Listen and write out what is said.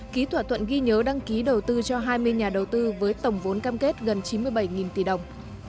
ký thỏa thuận ghi nhớ đăng ký đầu tư cho hai mươi nhà đầu tư với tổng vốn cam kết gần chín mươi bảy tỷ đồng